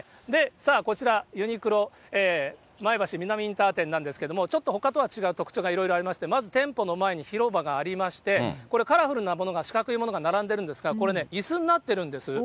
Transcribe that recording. さあこちら、ユニクロ前橋南インター店なんですけれども、ちょっとほかとは違う特徴がいろいろありまして、まず店舗の前に広場がありまして、これ、カラフルなものが、四角いものが並んでるんですが、これ、いすになってるんです。